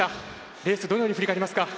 レースどのように振り返りますか。